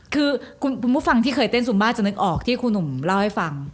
คือคุณผู้ฟังที่เคยเต้นซุมบ้าจะนึกออกที่ครูหนุ่มเล่าให้ฟัง